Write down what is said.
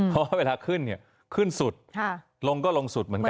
เพราะว่าเวลาขึ้นเนี่ยขึ้นขึ้นสุดลงก็ลงสุดเหมือนกัน